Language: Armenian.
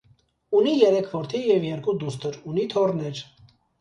Ունի երեք որդի և երկու դուստր, ունի թոռներ։